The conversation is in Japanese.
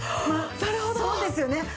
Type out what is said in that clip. まあそうですよね。